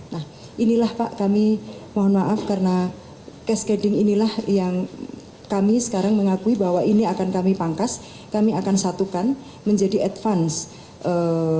nah inilah pak kami mohon maaf karena cash cading inilah yang kami sekarang mengakui bahwa ini akan kami pangkas kami akan satukan menjadi advance